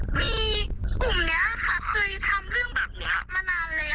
คุณในนั้นนะคะเขามาเล่าให้ฟังว่ามีกลุ่มเนี้ยค่ะเคยทำเรื่องแบบเนี้ยมานานแล้ว